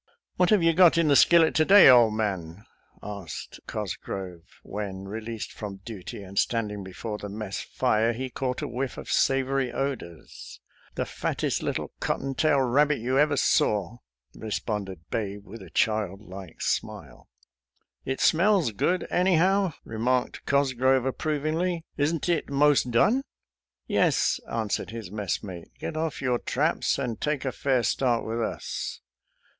" What have you got in the skillet to day, old man.? " asked Cosgrove when, released from duty, and standing before the mess fire, he caught a whiff of savory odors. " The fattest little cotton tail rabbit you ever saw," responded Babe, with a childlike smile. " It smells good, anyhow," remarked Cos grove approvingly. " Isn't it most done? "" Yes," answered his messmate ;" get off your traps, and take a fair start with us."